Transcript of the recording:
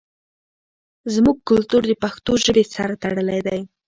زموږ کلتور د پښتو ژبې سره تړلی دی.